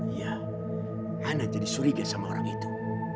iya ana jadi suriga sama orang itu